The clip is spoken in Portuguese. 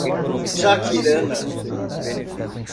Jaquirana